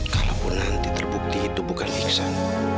kalaupun nanti terbukti itu bukan iksan